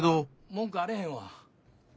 文句あれへんわ。